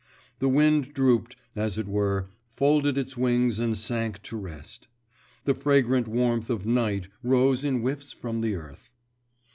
The wind drooped, as it were, folded its wings and sank to rest; the fragrant warmth of night rose in whiffs from the earth.